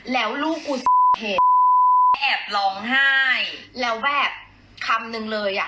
แล้วลูกกูจะเห็นแอบร้องไห้แล้วแบบคำนึงเลยอ่ะ